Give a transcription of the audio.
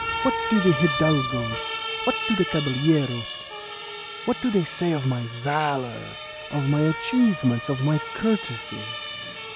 What do the hidalgos? What do the caballeros? What do they say of my valour; of my achievements; of my courtesy?